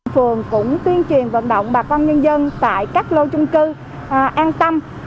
phường cũng tuyên truyền vận động bà con nhân dân tại các lô chung cư an tâm